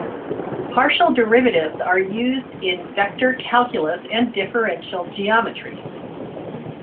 Partial derivatives are used in vector calculus and differential geometry.